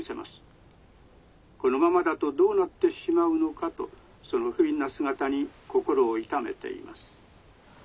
このままだとどうなってしまうのかとそのふびんな姿に心を痛めています』。